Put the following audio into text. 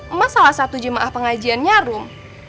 emah salah satu jemaah pengajiannya rom